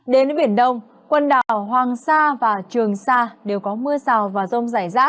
đến biển đông quần đảo hoàng sa và trường sa đều có mưa rào và rông giải rác